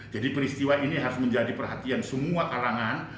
jadi peristiwa ini harus menjadi perhatian semua kalangan